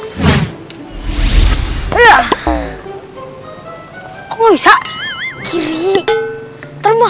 siap membantu mister serge